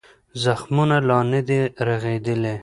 زخمونه لا نه دي رغېدلي.